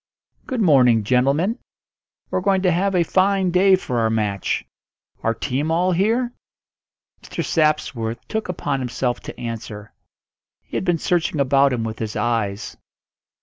"Good morning, gentlemen. We're going to have a fine day for our match. Our team all here?" Mr. Sapworth took upon himself to answer; he had been searching about him with his eyes.